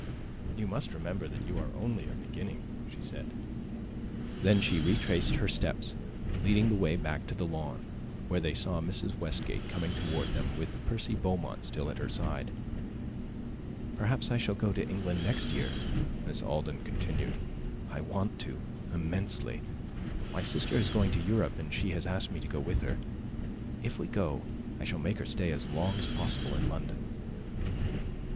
"You must remember that you are only a beginning," she said. Then she retraced her steps, leading the way back to the lawn, where they saw Mrs. Westgate come toward them with Percy Beaumont still at her side. "Perhaps I shall go to England next year," Miss Alden continued; "I want to, immensely. My sister is going to Europe, and she has asked me to go with her. If we go, I shall make her stay as long as possible in London."